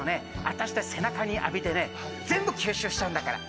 私背中に浴びてね全部吸収しちゃうんだから。